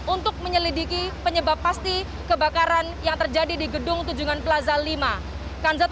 untuk menyelidiki penyebab pasti kebakaran yang terjadi di gedung tunjungan plaza lima